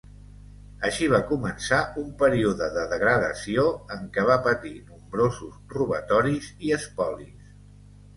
Així va començar un període de degradació en què va patir nombrosos robatoris i espolis.